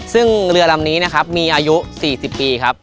ซึ่งเรือลำนี้นะครับมีอายุ๔๐ปีครับ